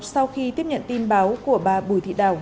sau khi tiếp nhận tin báo của bà bùi thị đào